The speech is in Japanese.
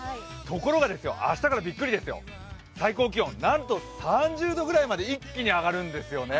ところが明日からビックリですよ、最高気温、なんと３０度くらいまで一気に上がるんですよね。